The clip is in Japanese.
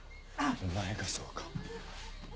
お前がそうか。